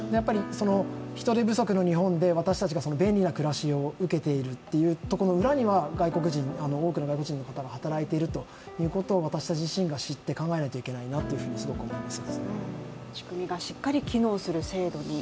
人手不足の日本で私たちが便利な暮らしを受けている裏には、多くの外国人の方が働いていらっしゃるということを私たち自身が知って考えないといけないなと思います。